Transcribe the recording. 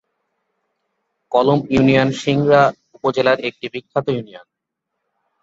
কলম ইউনিয়ন সিংড়া উপজেলার একটি বিখ্যাত ইউনিয়ন।